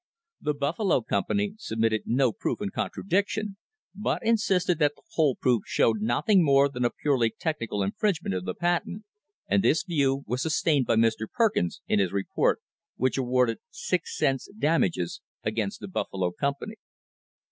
The Buffalo company submitted no proof in contradiction, but insisted that the whole proof showed nothing more than a purely technical infringement of the pat ent, and this view was sustained by Mr. Perkins in his report which awarded six cents damages against the Buffalo com pany.